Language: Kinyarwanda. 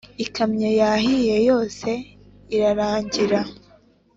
Ikamyo yahiye yose irarangira